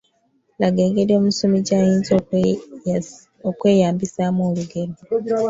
Laga engeri omusomi gy’ayinza okweyambisaamu olugero.